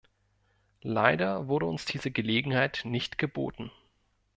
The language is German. Leider wurde uns diese Gelegenheit nicht geboten.